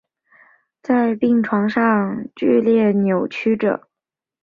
在病床上剧烈扭曲著